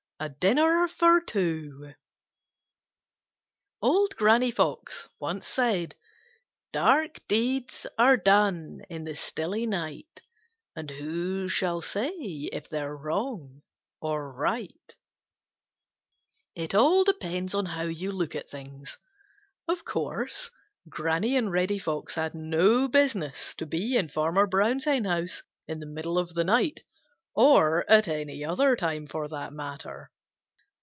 CHAPTER XXV A Dinner For Two Dark deeds are done in the stilly night, And who shall say if they're wrong or right? —Old Granny Fox. It all depends on how you look at things. Of course, Granny and Reddy Fox had no business to be in Farmer Brown's henhouse in the middle of the night, or at any other time, for that matter.